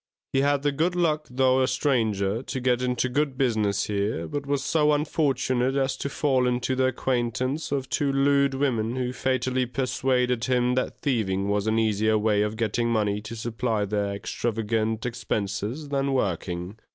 He had the good luck, though a stranger, to get into good business here, but was so unfortunate as to fall into the acquaintance of two lewd women, who fatally persuaded him that thieving was an easier way of getting money to supply their extravagant expenses than working.